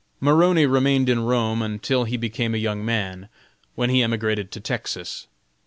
Maroney remained in Rome until he became a young man, when he emigrated to Texas.